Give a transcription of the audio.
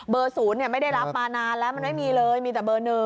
๐ไม่ได้รับมานานแล้วมันไม่มีเลยมีแต่เบอร์๑